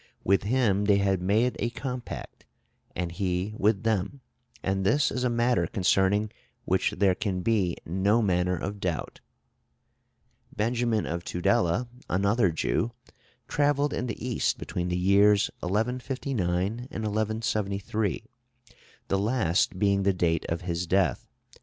With him they have made a compact, and he with them; and this is a matter concerning which there can be no manner of doubt." Benjamin of Tudela, another Jew, travelled in the East between the years 1159 and 1173, the last being the date of his death.